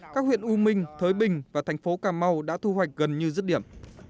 các huyện u minh thới bình và thành phố cà mau đã thu hoạch gần như dứt điểm